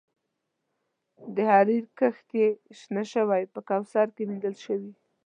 د حریر کښت کې شنه شوي په کوثر کې مینځل شوي